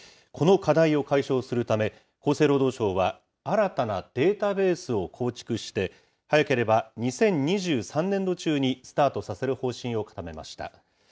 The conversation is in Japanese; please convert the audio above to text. この課題を解消するため、厚生労働省は、新たなデータベースを構築して、早ければ２０２３年度中にスタートさせる方針を固めました。